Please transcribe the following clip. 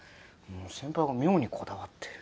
先輩が妙にこだわって。